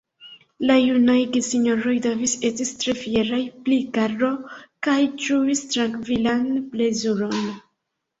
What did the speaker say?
La junaj gesinjoroj Davis estis tre fieraj pri Karlo kaj ĝuis trankvilan plezuron.